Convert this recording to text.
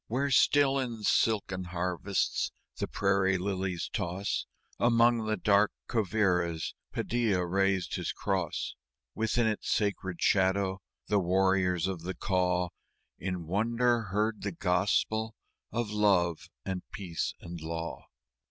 Where still in silken harvests the prairie lilies toss, Among the dark Quivíras Padilla reared his cross. Within its sacred shadow the warriors of the Kaw In wonder heard the Gospel of Love and Peace and Law.